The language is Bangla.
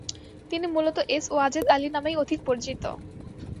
তিনি মূলত 'এস ওয়াজেদ আলি' নামেই অধিক পরিচিত।